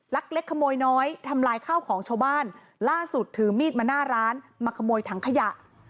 เล็กขโมยน้อยทำลายข้าวของชาวบ้านล่าสุดถือมีดมาหน้าร้านมาขโมยถังขยะ